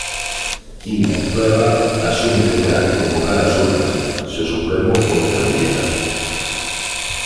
Quim Torra asume que terá que convocar ás urnas, se o Supremo o inhabilita.